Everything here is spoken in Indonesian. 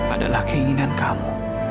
adalah keinginan kamu